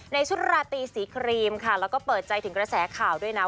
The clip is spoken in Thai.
ในชุดราตรีสีครีมค่ะแล้วก็เปิดใจถึงกระแสข่าวด้วยนะ